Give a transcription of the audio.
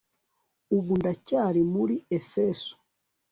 ubu ndacyari muri efeso